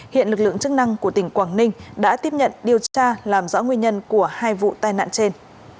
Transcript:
hiện lực lượng chức năng của tỉnh quảng ninh đã tiếp nhận điều tra làm rõ nguyên nhân của hai vụ tai nạn trên